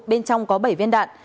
bên trong có bảy viên đạn